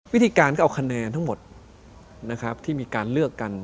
วิธีการก็เอาคะแนนทั้งหมดนะครับที่มีการเลือกกัน